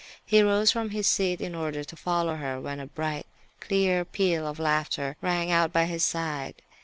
He rose from his seat in order to follow her, when a bright, clear peal of laughter rang out by his side.